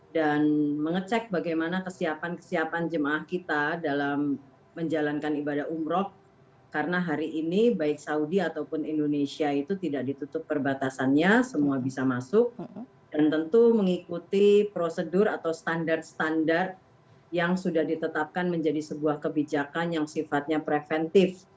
dan mengecek bagaimana kesiapan kesiapan jemaah kita dalam menjalankan ibadah umroh karena hari ini baik saudi ataupun indonesia itu tidak ditutup perbatasannya semua bisa masuk dan tentu mengikuti prosedur atau standar standar yang sudah ditetapkan menjadi sebuah kebijakan yang sifatnya preventif